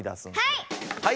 はい！